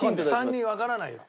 ３人わからないよ。